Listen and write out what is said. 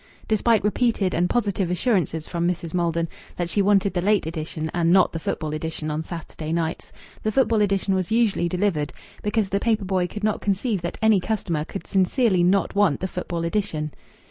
Despite repeated and positive assurances from Mrs. Maldon that she wanted the late edition and not the football edition on Saturday nights, the football edition was usually delivered, because the paper boy could not conceive that any customer could sincerely not want the football edition.